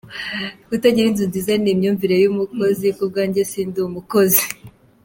Kutagira inzu nziza ni imyumvire y’umukozi, ku bwanjye sindi umukozi.